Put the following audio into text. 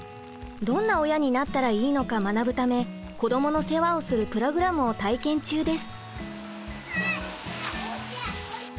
どんな親になったらいいのか学ぶため子どもの世話をするプログラムを体験中です。